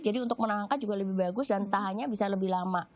jadi untuk menangkat juga lebih bagus dan tahannya bisa lebih lama